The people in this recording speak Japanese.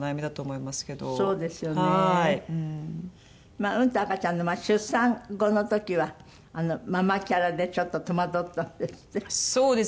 まあうんと赤ちゃんの出産後の時はママキャラでちょっと戸惑ったんですって？